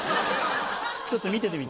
ちょっと見ててみて。